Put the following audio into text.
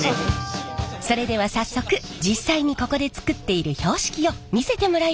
それでは早速実際にここで作っている標識を見せてもらいましょう。